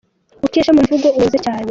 Ukeshe mu mvugo unoze cyane.